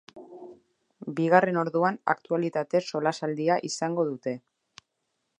Bigarren orduan aktualitate solasaldia izango dute.